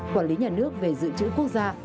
quản lý nhà nước về dự trữ quốc gia